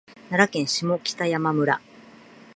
奈良県下北山村